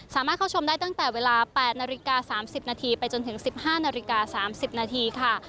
สามารถเข้าชมได้ตั้งแต่เวลา๘นาฬิกา๓๐นาทีไปจนถึง๑๕นาฬิกา๓๐นาทีค่ะ